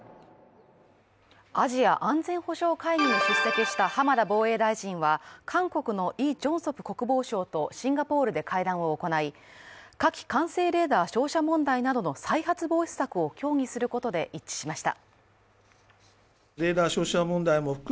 アジア安全保障会議に出席した浜田防衛大臣は、韓国のイ・ジョンソプ国防相とシンガポールで会談を行い火器管制レーダー照射問題などの再発防止策を協議することで一致しました。